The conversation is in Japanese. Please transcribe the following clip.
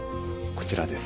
こちらです。